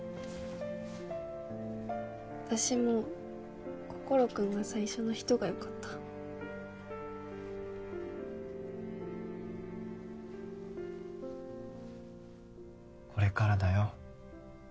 私も心君が最初の人がよかったこれからだよ